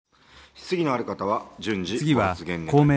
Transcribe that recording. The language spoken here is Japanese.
質疑のある方は順次ご発言願います。